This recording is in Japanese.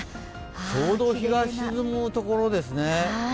ちょうど日が沈むところですね。